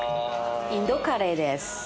インドカレーです。